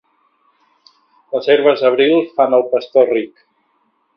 Les herbes d'abril fan el pastor ric.